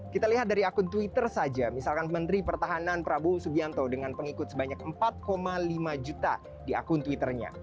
kita lihat dari akun twitter saja misalkan menteri pertahanan prabowo subianto dengan pengikut sebanyak empat lima juta di akun twitternya